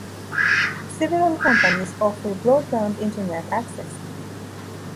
Several companies offer broadband internet access.